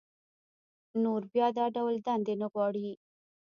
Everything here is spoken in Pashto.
نور بيا دا ډول دندې نه غواړي